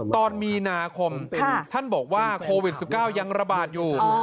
ตอนมีนาคมท่านบอกว่าโควิด๑๙ยังระบาดอยู่